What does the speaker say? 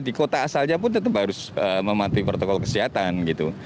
di kota asalnya pun tetap harus mematuhi protokol kesehatan gitu